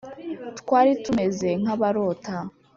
Twari tumeze nk abarota